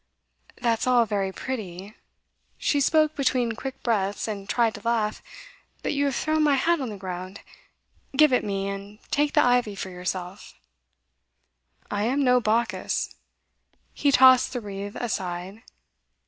'That's all very pretty' she spoke between quick breaths, and tried to laugh 'but you have thrown my hat on the ground. Give it me, and take the ivy for yourself.' 'I am no Bacchus.' He tossed the wreath aside.